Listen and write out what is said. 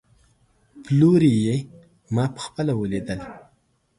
پلوري يې، ما په خپله وليدل